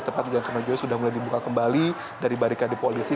tempat yang kemarin sudah mulai dibuka kembali dari barikade polisi